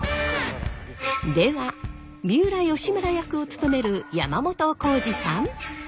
では三浦義村役を務める山本耕史さん。